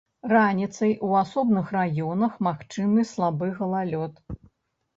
Раніцай у асобных раёнах магчымы слабы галалёд.